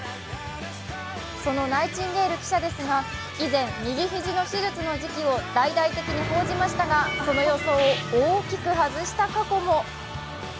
そのナイチンゲール記者ですが以前、右肘の手術の時期を大々的に報じましたがその予想を大きく外した過去も。